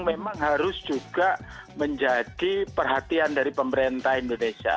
memang harus juga menjadi perhatian dari pemerintah indonesia